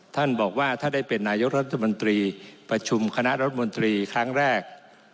ท่านบอกว่าถ้าได้เป็นนายกรัฐมนตรีประชุมคณะรัฐมนตรีครั้งแรก